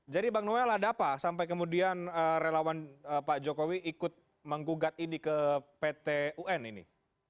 jadi bang noel ada apa sampai kemudian relawan pak jokowi ikut menggugat ini ke pt un ini